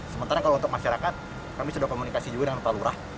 sementara kalau untuk masyarakat kami sudah komunikasi juga dengan pak lurah